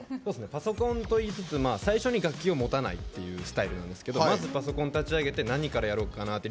パソコンといいつつ最初に楽器を持たないっていうスタイルなんですけどまずパソコンを立ち上げて何からやろうかなって。